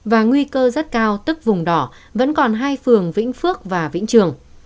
và nguy cơ rất cao tức vùng đỏ vẫn còn hai phường vĩnh phước và vĩnh trường